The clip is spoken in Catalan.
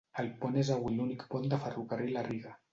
El pont és avui dia l'únic pont de ferrocarril a Riga.